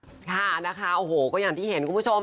พี่แบบรู้สึกแย่อ่ะค่ะนะคะโอ้โหก็อย่างที่เห็นคุณผู้ชม